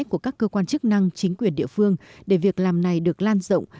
của các cơ quan chức năng chính quyền địa phương để việc làm này được lan rộng